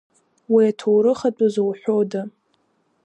Уи аҭоурых атәы зоуҳәода.